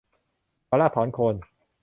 ถอนรากถอนโคน